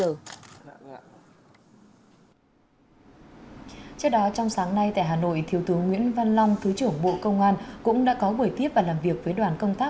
trước đó trong sáng nay tại hà nội thiếu tướng nguyễn văn long thứ trưởng bộ công an cũng đã có buổi tiếp và làm việc với đoàn công tác